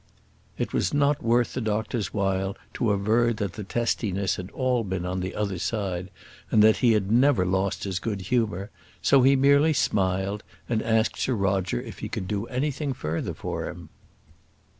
It was not worth the doctor's while to aver that the testiness had all been on the other side, and that he had never lost his good humour; so he merely smiled, and asked Sir Roger if he could do anything further for him.